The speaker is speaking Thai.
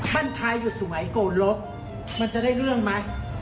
บ้านท้ายอยู่สุงัยโกลกมันจะได้เรื่องไหม